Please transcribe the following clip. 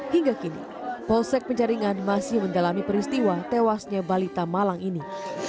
hingga kini polsek penjaringan masih mendalami peristiwa tewasnya balita malang ini